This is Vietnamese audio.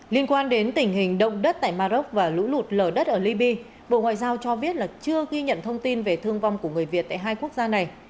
liên quan đến tình hình động đất tại maroc và lũ lụt lở đất ở libya bộ ngoại giao cho biết là chưa ghi nhận thông tin về thương vong của người việt tại hai quốc gia này